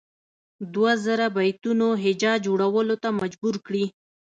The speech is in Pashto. دوه زره بیتونو هجا جوړولو ته مجبور کړي.